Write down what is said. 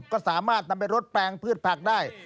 ก็สามารถนำไปรดแปลงพืชผักได้